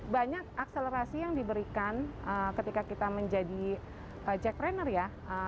banyak akselerasi yang diberikan ketika kita menjadi jack trainer ya